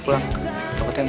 jangan lupa bang